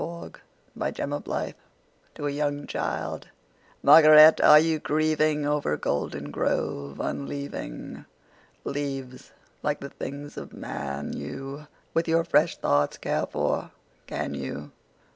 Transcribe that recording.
Spring and Fall to a young childMÁRGARÉT, áre you gríevingOver Goldengrove unleaving? Leáves, líke the things of man, youWith your fresh thoughts care for, can you?